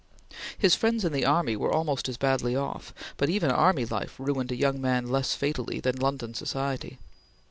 His friends in the army were almost as badly off, but even army life ruined a young man less fatally than London society.